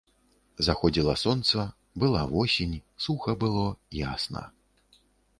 Заходзіла сонца, была восень, суха было, ясна.